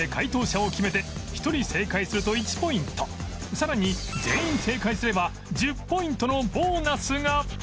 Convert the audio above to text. さらに全員正解すれば１０ポイントのボーナスが！